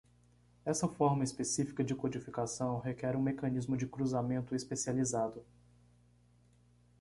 Essa forma específica de codificação requer um mecanismo de cruzamento especializado.